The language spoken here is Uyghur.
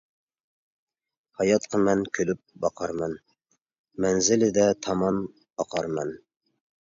ھاياتقا مەن كۈلۈپ باقارمەن، مەنزىلىدە تامان ئاقارمەن.